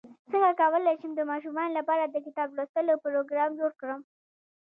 څنګه کولی شم د ماشومانو لپاره د کتاب لوستلو پروګرام جوړ کړم